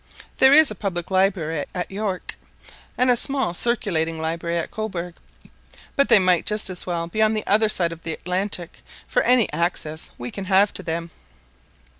There is a public library at York, and a small circulating library at Cobourg, but they might just as well be on the other side of the Atlantic for any access we can have to them.